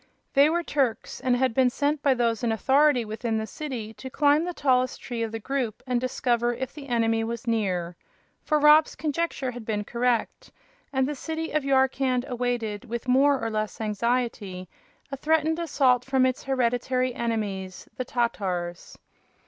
They were Turks, and had been sent by those in authority within the city to climb the tallest tree of the group and discover if the enemy was near. For Rob's conjecture had been correct, and the city of Yarkand awaited, with more or less anxiety, a threatened assault from its hereditary enemies, the Tatars.